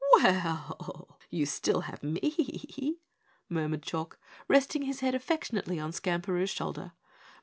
"Well, you still have me," murmured Chalk, resting his head affectionately on Skamperoo's shoulder.